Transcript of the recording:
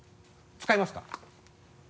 使いますか？